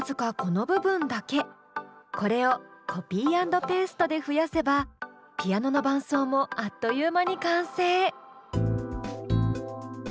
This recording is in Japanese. これをコピー＆ペーストで増やせばピアノの伴奏もあっという間に完成。